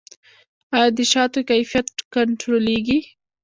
آیا د شاتو کیفیت کنټرولیږي؟